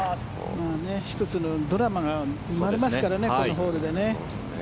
１つのドラマが生まれますからねこのホールで。